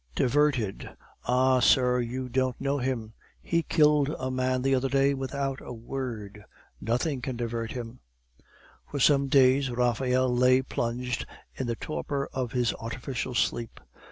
"Diverted! Ah, sir, you don't know him! He killed a man the other day without a word! Nothing can divert him!" For some days Raphael lay plunged in the torpor of this artificial sleep.